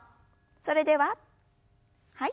それでははい。